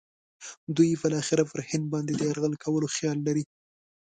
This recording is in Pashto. دوی بالاخره پر هند باندې د یرغل کولو خیال لري.